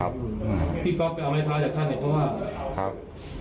พี่ป๊อกเป็นอะไรท้ายัวิทยาเรา่ะ